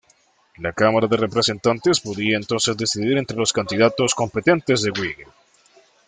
La Cámara de Representantes podía entonces decidir entre los candidatos competentes del Whig.